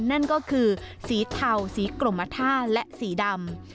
นั่นก็คือสีเทาสีกรมท่าและสีดำ